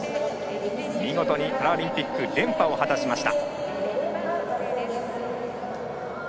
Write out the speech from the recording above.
見事にパラリンピック連覇を果たしました。